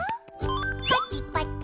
パチパチ。